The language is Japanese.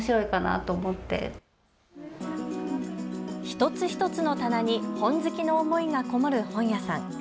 一つ一つの棚に本好きの思いがこもる本屋さん。